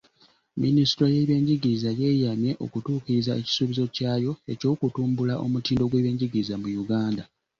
Minisitule y'ebyenjigiriza yeeyamye okutuukiriza ekisuubizo kyayo eky'okutumbula omutindo gw'ebyenjigiriza mu Uganda.